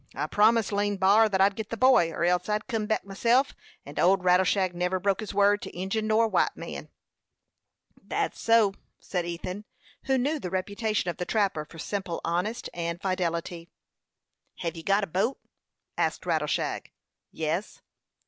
"I promised Lean B'ar thet I'd git the boy, or else I'd kim back myself; and old Rattleshag never broke his word to Injin or white man." "Thet's so," said Ethan, who knew the reputation of the trapper for simple honesty and fidelity. "Hev you got a boat?" asked Rattleshag. "Yes."